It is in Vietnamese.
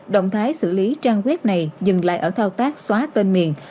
động thái xử lý trang web này dừng lại ở thao tác xóa tên miền